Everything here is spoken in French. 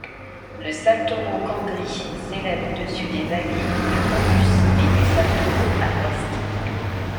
Le Saltoro Kangri s'élève au-dessus des vallées du Kondus et du Saltoro, à l'ouest.